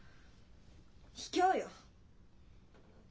ひきょうよ！